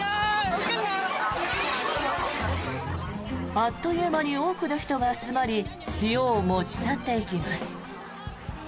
あっという間に多くの人が集まり塩を持ち去っていきます。